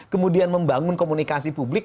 kemudian membangun komunikasi publik